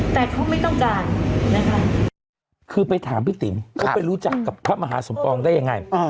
แต่เขาไม่ต้องการนะคะคือไปถามพี่ติ๋มเขาไปรู้จักกับพระมหาสมปองได้ยังไง